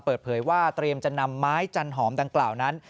เปิดเผยว่าเตรียมจะนำไม้จันหอมดังกล่าวนั้น